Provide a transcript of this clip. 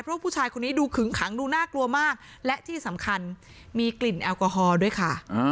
เพราะผู้ชายคนนี้ดูขึงขังดูน่ากลัวมากและที่สำคัญมีกลิ่นแอลกอฮอล์ด้วยค่ะ